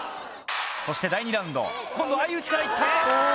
そして第２ラウンド今度は相打ちから行った！